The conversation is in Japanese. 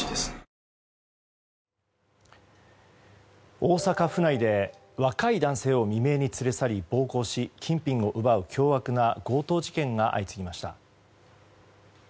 大阪府内で若い男性を未明に連れ去り、暴行し金品を奪う凶悪な強盗事件が相次ぎました。